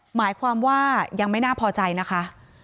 หมายความว่ายังไม่น่าพอใจนะคะ